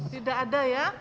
tidak ada ya